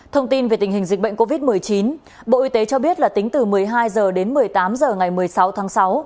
thông tin về tình hình dịch bệnh covid một mươi chín bộ y tế cho biết là tính từ một mươi hai h đến một mươi tám h ngày một mươi sáu tháng sáu